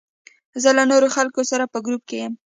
زه له نورو خلکو سره په ګروپ کې یم.